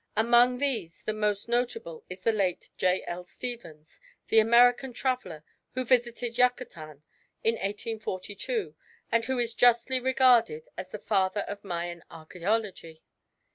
Among these the most notable is the late J. L. Stephens, the American traveller, who visited Yucatan in 1842, and who is justly regarded as the Father of Mayan archæology.